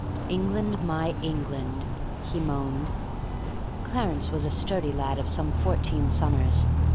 "England my England!" he moaned. Clarence was a sturdy lad of some fourteen summers.